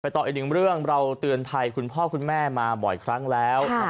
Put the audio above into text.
ต่ออีกหนึ่งเรื่องเราเตือนภัยคุณพ่อคุณแม่มาบ่อยครั้งแล้ว